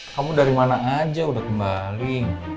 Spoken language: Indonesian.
kamu dari mana aja udah kembali